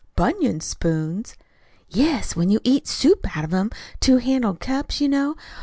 "BUNION spoons!" "Yes when you eat soup out of them two handled cups, you know.